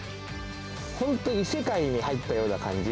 本当に異世界に入ったような感じ。